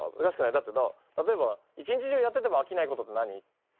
だって例えば一日中やっててもあきないことって何？